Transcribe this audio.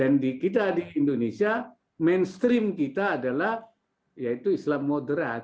dan di kita di indonesia mainstream kita adalah yaitu islam moderat